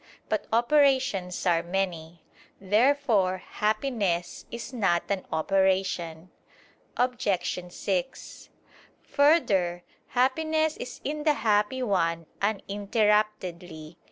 But operations are many. Therefore happiness is not an operation. Obj. 6: Further, happiness is in the happy one uninterruptedly.